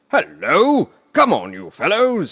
"Hullo! come on, you fellows!"